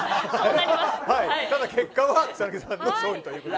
ただ結果は草なぎさんの勝利ということで。